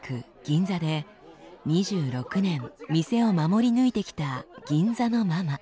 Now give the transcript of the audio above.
銀座で２６年店を守り抜いてきた銀座のママ。